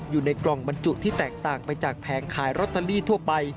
อยู่ในกล่องบรรจุที่แตกต่างไปจากแผงขายลอตเตอรี่ทั่วไป